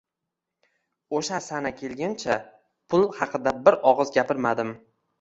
O‘sha sana kelguncha pul haqida bir og‘iz gapirmadim.